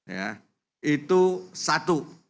ya itu satu